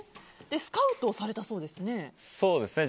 スカウトされたそうですね。